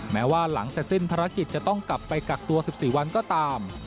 แม้ว่าหลังเสร็จสิ้นภารกิจจะต้องกลับไปกักตัว๑๔วันก็ตาม